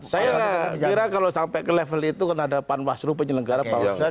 saya kira kalau sampai ke level itu kan ada panwaslu penyelenggara bawaslu